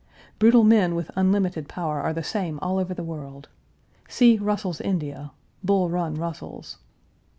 Brutal men with unlimited power are the same all over the world. See Russell's India Bull Run Russell's.